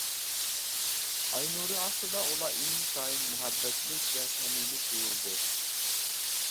ئاي نۇرى ئاستىدا ئۇلار ئىنتايىن مۇھەببەتلىك ۋە سەمىمىي تۇيۇلدى.